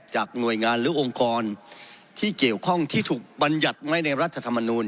หน่วยงานหรือองค์กรที่เกี่ยวข้องที่ถูกบรรยัติไว้ในรัฐธรรมนูล